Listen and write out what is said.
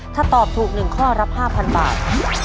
ถ้าตอบถูก๑ข้อรับ๕๐๐บาท